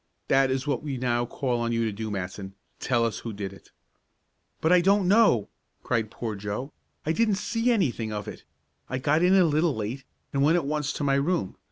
That is what we now call on you to do, Matson. Tell us who did it." "But I don't know!" cried poor Joe. "I didn't see anything of it. I got in a little late, and went at once to my room.